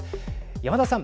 山田さん。